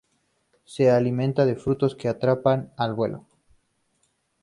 Se alimentan de frutos que atrapan al vuelo.